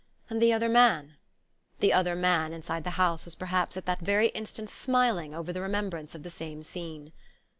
And the other man? The other man, inside the house, was perhaps at that very instant smiling over the remembrance of the same scene!